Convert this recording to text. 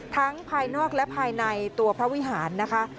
ภายนอกและภายในตัวพระวิหารนะคะ